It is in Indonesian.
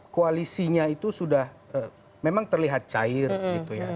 koalisinya itu sudah memang terlihat cair gitu ya